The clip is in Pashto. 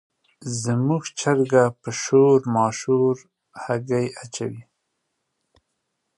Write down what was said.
زموږ چرګه په شور ماشور هګۍ اچوي.